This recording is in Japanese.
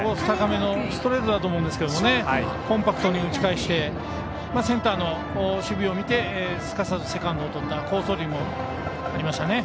高めのストレートだと思うんですけどコンパクトに打ち返してセンターの守備を見てすかさずセカンドをとった好走塁もありました。